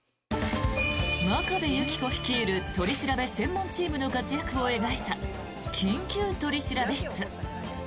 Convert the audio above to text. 真壁有希子率いる取り調べ専門チームの活躍を描いた「緊急取調室」。